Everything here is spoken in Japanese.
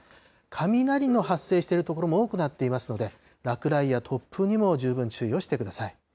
雷の発生している所も多くなっていますので、落雷や突風にも十分注意をしてください。